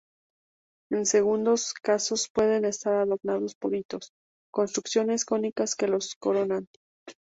En algunos casos pueden estar adornados por hitos, construcciones cónicas que los coronan.